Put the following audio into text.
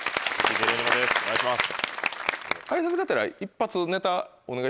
お願いします。